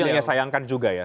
itu yang saya sayangkan juga ya